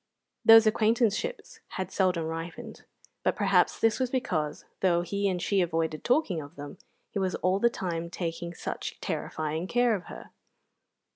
Those acquaintanceships had seldom ripened; but perhaps this was because, though he and she avoided talking of them, he was all the time taking such terrifying care of her.